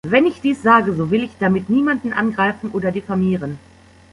Wenn ich dies sage, so will ich damit niemanden angreifen oder diffamieren.